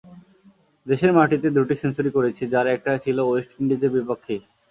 দেশের মাটিতে দুটি সেঞ্চুরি করেছি, যার একটা ছিল ওয়েস্ট ইন্ডিজের বিপক্ষেই।